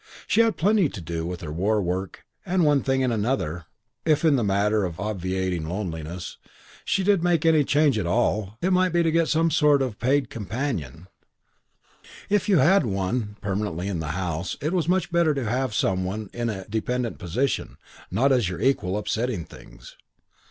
She had plenty to do with her war work and one thing and another; if, in the matter of obviating loneliness, she did make any change at all, it might be to get some sort of paid companion: if you had any one permanently in the house it was much better to have some one in a dependent position, not as your equal, upsetting things.